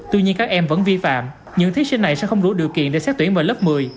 tuy nhiên các em vẫn vi phạm những thí sinh này sẽ không đủ điều kiện để xét tuyển vào lớp một mươi